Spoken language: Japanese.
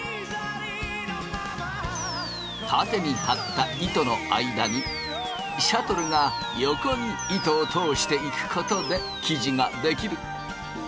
縦に張った糸の間にシャトルが横に糸を通していくことで生地が出来る。